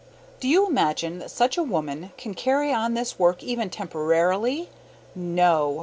Do you imagine that such a woman can carry on this work even temporarily? No!